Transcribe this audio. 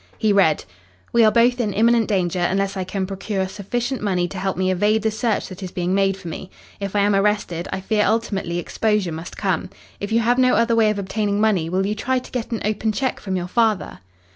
He read: "We are both in imminent danger unless I can procure sufficient money to help me evade the search that is being made for me. If I am arrested, I fear ultimately exposure must come. If you have no other way of obtaining money, will you try to get an open cheque from your father?